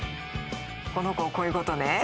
この子をこういうことね？